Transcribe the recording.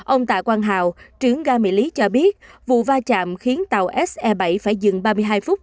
ông tạ quang hào trưởng ga mỹ lý cho biết vụ va chạm khiến tàu se bảy phải dừng ba mươi hai phút